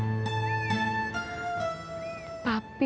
mencari fakta tentang papi